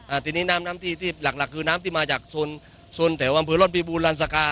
อ่าทีนี้น้ำน้ำที่ที่หลักหลักคือน้ำที่มาจากส่วนส่วนแถวอำเผือรอดบีบูลลันซากา